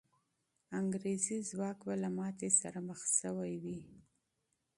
انګریزي ځواک به له ماتې سره مخ سوی وي.